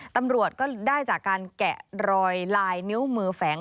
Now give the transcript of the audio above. ตำรวจก็ได้จากการแกะรอยลายนิ้วมือแฝง